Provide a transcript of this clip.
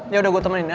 yaudah gue temenin ya